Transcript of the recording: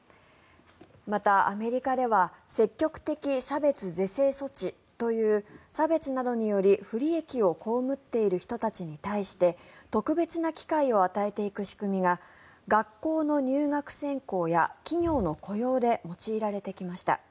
またアメリカでは積極的差別是正措置という差別などにより不利益を被っている人たちに対して特別な機会を与えていく仕組みが学校の入学選考や企業の雇用で用いられてきました。